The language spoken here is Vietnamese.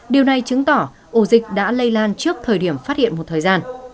điều này chứng tỏ ổ dịch đã lây lan trước thời điểm phát hiện một thời gian